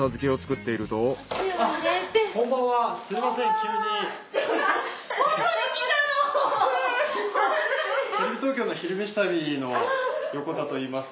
テレビ東京の「昼めし旅」の横田といいます。